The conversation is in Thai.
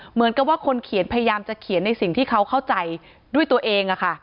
เหมือนกับว่าคนเขียนพยายามจะเขียนในสิ่งที่เขาเข้าใจด้วยตัวเอง